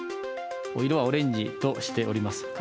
色はオレンジとしております。